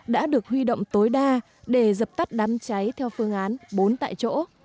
đã được huy động tối đa để dập tắt đám cháy theo phương án bốn tại chỗ